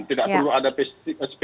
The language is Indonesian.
tidak perlu ada sp tiga